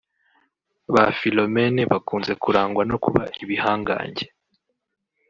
Ba Philomene bakunze kurangwa no kuba ibihangange